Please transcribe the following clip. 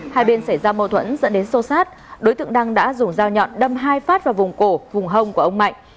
hai bên xảy ra mâu thuẫn dẫn đến sô sát đối tượng đăng đã dùng dao nhọn đâm hai phát vào vùng cổ vùng hông của ông mạnh